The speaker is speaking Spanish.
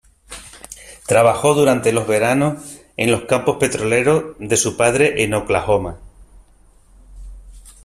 Trabajó durante los veranos en los campos petroleros de su padre en Oklahoma.